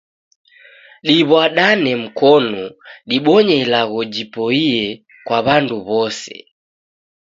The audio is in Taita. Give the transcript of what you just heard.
Ditw'adane mkonu dibonye ilagho jiboie kwa w'andu w'ose